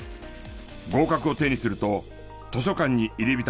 合格を手にすると図書館に入り浸る日々。